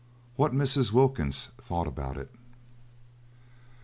WHAT MRS. WILKINS THOUGHT ABOUT IT.